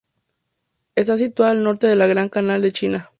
Está situada al norte del Gran Canal de China.